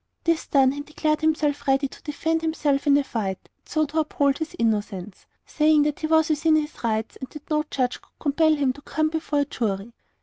This done, he declared himself ready to defend himself in a fight, and so to uphold his innocence, saying that he was within his rights, and that no judge could compel him to come before a jury.